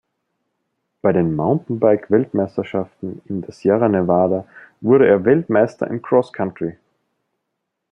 Bei den Mountainbike-Weltmeisterschaften in der Sierra Nevada wurde er Weltmeister im Cross Country.